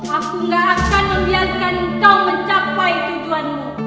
aku gak akan membiarkan kau mencapai tujuanmu